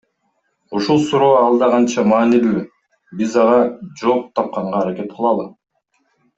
Ушул суроо алда канча маанилүү, биз ага жооп тапканга аракет кылалы.